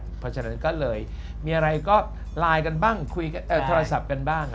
เพราะฉะนั้นก็เลยมีอะไรก็ไลน์กันบ้างคุยโทรศัพท์กันบ้าง